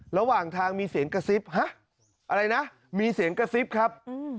ระหว่างทางมีเสียงกระซิบฮะอะไรนะมีเสียงกระซิบครับ